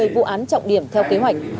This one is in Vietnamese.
một mươi vụ án trọng điểm theo kế hoạch